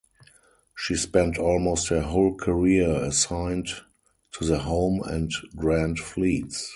She spent almost her whole career assigned to the Home and Grand Fleets.